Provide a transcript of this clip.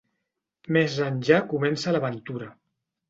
Més enllà comença l'aventura.